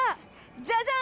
ジャジャン！